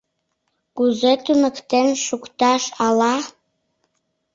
Кузе туныктен шукташ ала?»